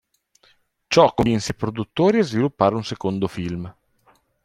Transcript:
Ciò convinse i produttori a sviluppare un secondo film.